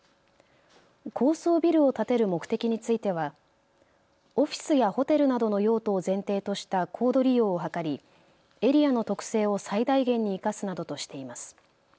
高層ビルを建てる目的についてはオフィスやホテルなどの用途を前提とした高度利用を図りエリアの特性を最大限に生かすなどとしています。